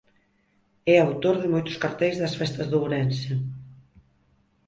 É autor de moitos carteis das festas de Ourense.